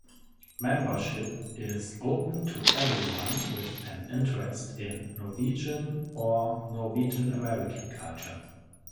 Membership is open to everyone with an interest in Norwegian or Norwegian-American culture.